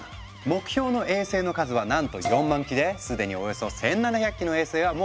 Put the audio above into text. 目標の衛星の数はなんと４万基ですでにおよそ１，７００基の衛星はもう飛ばし終えてるの。